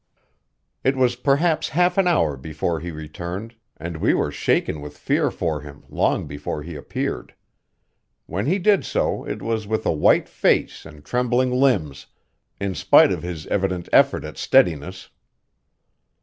It was perhaps half an hour before he returned, and we were shaken with fear for him long before he appeared. When he did so it was with a white face and trembling limbs, in spite of his evident effort at steadiness.